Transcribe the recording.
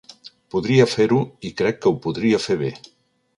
Podria fer-ho i crec que ho podria fer bé.